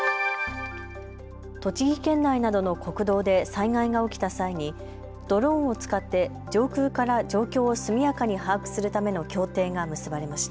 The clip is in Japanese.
栃木県内などの国道で災害が起きた際にドローンを使って上空から状況を速やかに把握するための協定が結ばれました。